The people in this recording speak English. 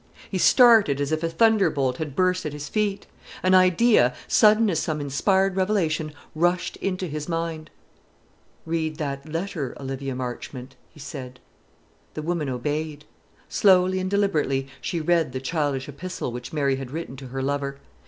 He started as if a thunderbolt had burst at his feet. An idea, sudden as some inspired revelation, rushed into his mind. "Read that letter, Olivia Marchmont!" he said. The woman obeyed. Slowly and deliberately she read the childish epistle which Mary had written to her lover.